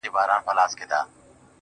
ستا غمونه مي د فكر مېلمانه سي,